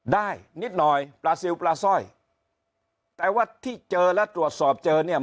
นิดหน่อยปลาซิลปลาสร้อยแต่ว่าที่เจอและตรวจสอบเจอเนี่ย